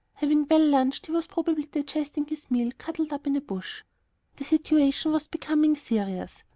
Having well lunched he was probably digesting his meal, cuddled up in a bush. The situation was becoming serious.